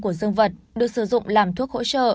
của dương vật được sử dụng làm thuốc hỗ trợ